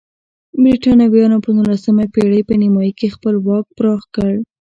برېټانویانو په نولسمې پېړۍ په نیمایي کې خپل واک پراخ کړ.